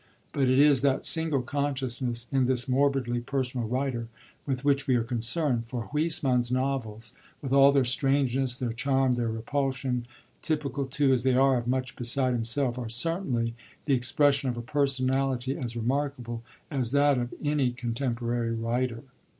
But it is that single consciousness in this morbidly personal writer with which we are concerned. For Huysmans' novels, with all their strangeness, their charm, their repulsion, typical too, as they are, of much beside himself, are certainly the expression of a personality as remarkable as that of any contemporary writer.